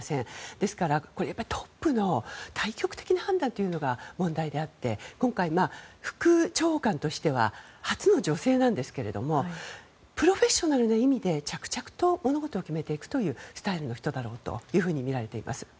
ですから、これはトップの大局的な判断というのが問題であって今回、副長官としては初の女性なんですけれどもプロフェッショナルの意味で着々と物事を決めていくというスタイルの人だなとみられています。